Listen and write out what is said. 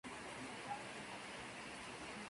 Miembro de la Unión de artistas de Rusia.